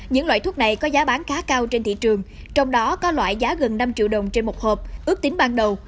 những loại thuốc này có giá bán khá cao trên thị trường trong đó có loại giá gần năm triệu đồng trên một hộp ước tính ban đầu